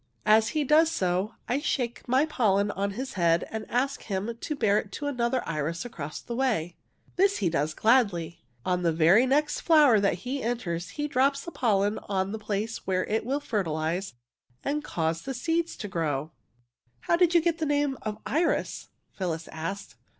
As he does so, I shake my pollen on his head and ask him to bear it to another iris across the way. *' This he does gladly. On the very next flower that he enters he drops the pollen in the place where it will fertilize, and cause the seeds to grow." WITH WET FEET 145 How did you get the name of Iris? '' Phyl lis asked.